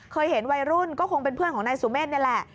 เห็นวัยรุ่นก็คงเป็นเพื่อนของนายสุเมฆนี่แหละ